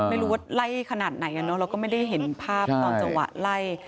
ไม่รู้ว่าไล่ขนาดไหนเราก็ไม่ได้เห็นภาพตอนจังหวะไล่